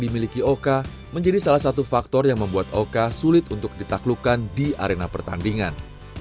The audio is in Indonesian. dimiliki oka menjadi salah satu faktor yang membuat oka sulit untuk ditaklukkan di arena pertandingan